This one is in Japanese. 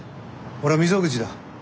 俺は溝口だ。